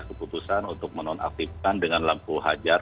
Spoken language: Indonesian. keputusan untuk menonaktifkan dengan lampu hajar